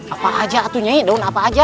apa aja tuh nyai daun apa aja